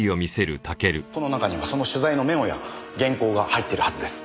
この中にはその取材のメモや原稿が入っているはずです。